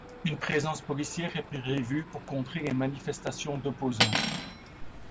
Une présence policière est prévue pour contrer les manifestations d'opposants.